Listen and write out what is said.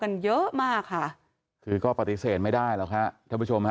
กันเยอะมากค่ะคือก็ปฏิเสธไม่ได้หรอกค่ะท่านผู้ชมฮะ